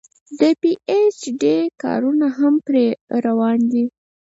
د پي ايچ ډي کارونه هم پرې روان دي